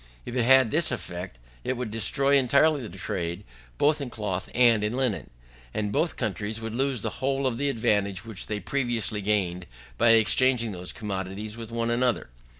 If it had this effect, it would destroy entirely the trade both in cloth and in linen, and both countries would lose the whole of the advantage which they previously gained by exchanging those commodities with one another.